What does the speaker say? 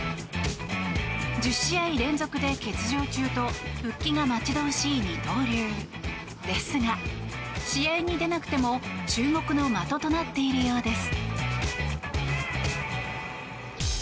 １０試合連続で欠場中と復帰が待ち遠しい二刀流ですが試合に出なくても注目の的となっているようです。